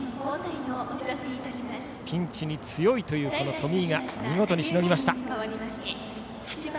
ピンチに強いという冨井が見事にしのぎました。